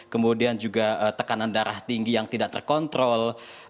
kemudian juga tekanan darah tinggi yang tidak terkontrol